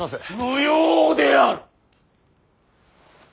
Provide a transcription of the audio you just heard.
無用である！